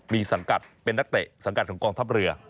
มีสังกัดเป็นนักเตะสังกัดของกองทัพเรือ